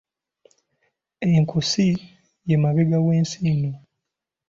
Ekkoosi ye mabega w’ensingo.